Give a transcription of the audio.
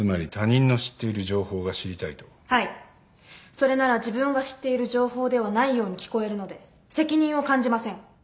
それなら自分が知っている情報ではないように聞こえるので責任を感じません。